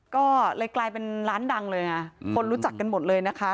ก็เลยกลายเป็นร้านดังเลยไงคนรู้จักกันหมดเลยนะคะ